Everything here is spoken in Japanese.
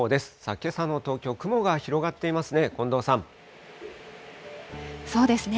けさの東京、雲が広がっていますそうですね。